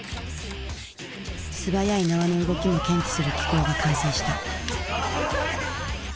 素早い縄の動きも検知する機構が完成した。